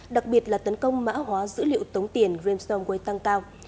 đặc biệt là tấn công mã hóa dữ liệu tống tiền grimstone way tăng cao